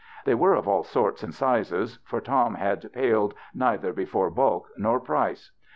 They were of all sorts and sizes, for Tom had paled neither before bulk nor price.